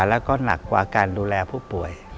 แล้วก็หนักกว่าการดูแลผู้ป่วย